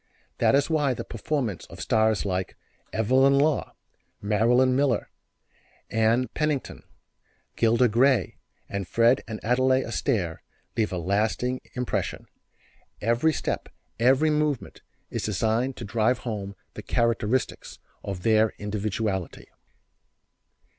That is why the performance of stars like Evelyn Law, Marilyn Miller, Ann Pennington, Gilda Gray and Fred and Adele Astaire leaves a lasting impression. Every step, every movement is designed to drive home the characteristics of their individuality.